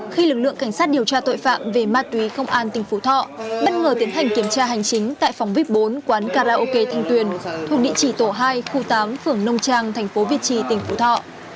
khi lực lượng cảnh sát điều tra tội phạm về ma túy công an tỉnh phú thọ bất ngờ tiến hành kiểm tra hành chính tại phòng vít bốn quán karaoke thanh tuyền thuộc địa chỉ tổ hai khu tám phường nông trang thành phố việt trì tỉnh phú thọ